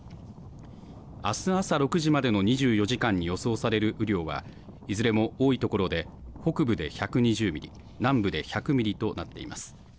あす朝６時までの２４時間に予想される雨量は、いずれも多い所で、北部で１２０ミリ、南部で１００ミリとなっています。